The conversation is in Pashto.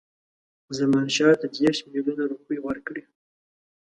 زمانشاه ته دېرش میلیونه روپۍ ورکړي.